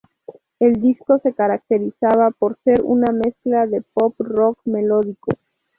El disco se caracterizaba por ser una mezcla de pop rock melódico.